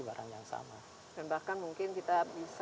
barang yang sama dan bahkan mungkin kita bisa